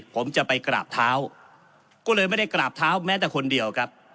ผมจะไปกราบเท้าก็เลยไม่ได้กราบเท้าแม้แต่คนเดียวครับ